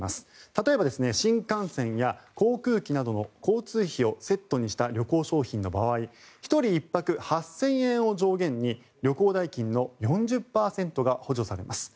例えば、新幹線や航空機などの交通費をセットにした旅行商品の場合１人１泊８０００円を上限に旅行代金の４０％が補助されます。